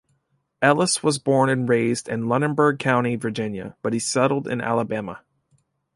Ellis was born and raised in Lunenburg County, Virginia, but he settled in Alabama.